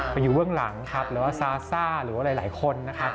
ประยุเวิร์งหลังหรือว่าซาซ่าหรือว่าหลายคนนะครับ